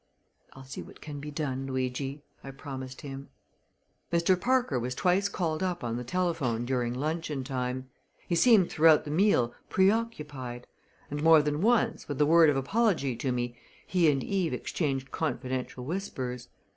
"I'll see what can be done, Luigi," I promised him. Mr. Parker was twice called up on the telephone during luncheon time. He seemed throughout the meal preoccupied; and more than once, with a word of apology to me, he and Eve exchanged confidential whispers.